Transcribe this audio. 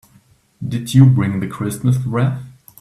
Did you bring the Christmas wreath?